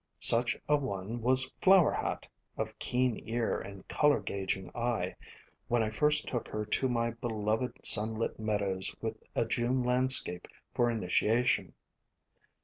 Such a one was Flower Hat, of keen ear and color gauging eye, when I first took her to my beloved sunlit meadows with a June landscape for initiation.